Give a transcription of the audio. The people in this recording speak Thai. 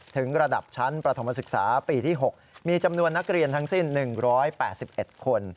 ถึงระดับชั้นประถมศึกษาปีที่๖มีจำนวนนักเรียนทั้งสิ้น๑๘๑คน